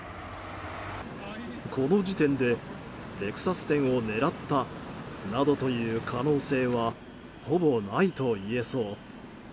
この時点で、レクサス店を狙ったなどという可能性はほぼないと言えそう。